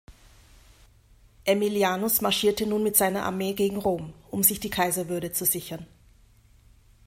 Aemilianus marschierte nun mit seiner Armee gegen Rom, um sich die Kaiserwürde zu sichern.